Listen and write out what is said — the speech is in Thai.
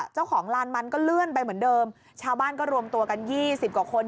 เจ้าของลานมันก็เลื่อนไปเหมือนเดิมชาวบ้านก็รวมตัวกัน๒๐กว่าคน